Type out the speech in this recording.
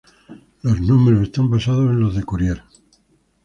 Los números están basados en los de Courier.